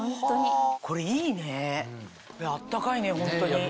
これいいねこれあったかいねホントに。